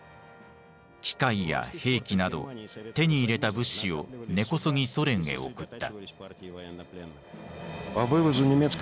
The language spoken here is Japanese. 機械や兵器など手に入れた物資を根こそぎソ連へ送った。